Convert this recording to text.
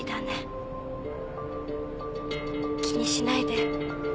気にしないで。